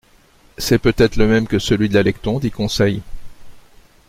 «C'est peut-être le même que celui de l'Alecton, dit Conseil.